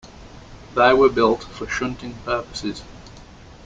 They were built for shunting purposes.